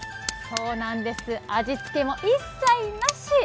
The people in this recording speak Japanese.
そうなんです、味付けも一切なし。